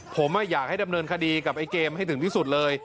ผมอยากให้ดำเนินคดีกับไอ้เกมให้ถึงที่สุดเลย